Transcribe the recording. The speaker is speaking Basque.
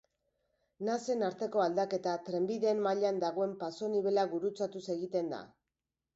Nasen arteko aldaketa trenbideen mailan dagoen pasonibela gurutzatuz egiten da.